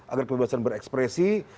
agar kebebasan berekspresi